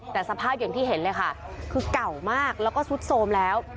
แต่สภาพอย่างที่เห็นเลยค่ะคือเก่ามากแล้วก็ซุดโทรมแล้ว